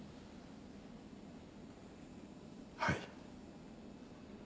はい。